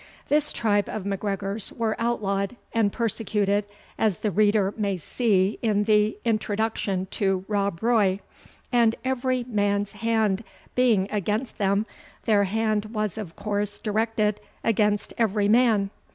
This tribe of MacGregors were outlawed and persecuted, as the reader may see in the Introduction to ROB ROY; and every man's hand being against them, their hand was of course directed against every man.